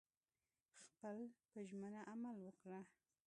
خپل په ژمنه عمل وکړه